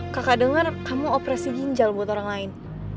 kakak dengar kamu operasi ginjal buat orang lain